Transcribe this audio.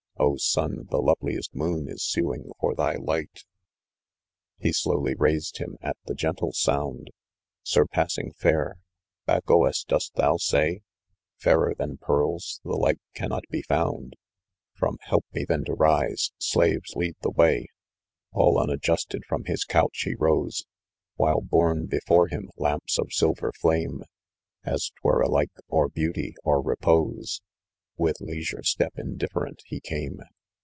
Oh, sun, the loveliest moon is suing for thy light !' He slowly raised him at the gentle soundâ€" " Surpassing fairâ€" Bagoasâ€" dost thou say f « Fairer than pearlsâ€" the like cannot he found From' " Help me then to rise. Slaves, lead the way.' All unadjusted from his couch he rose : While borne before him lamps of silver flame, As 'twere alike, or beauty, or repose, "With leisure step, indifferent he came.